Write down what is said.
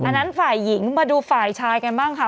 อันนั้นฝ่ายหญิงมาดูฝ่ายชายกันบ้างค่ะ